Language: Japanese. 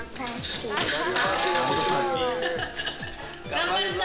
頑張るぞ！